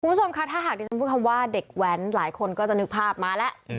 คุณผู้ชมคะถ้าหากดิฉันพูดคำว่าเด็กแว้นหลายคนก็จะนึกภาพมาแล้ว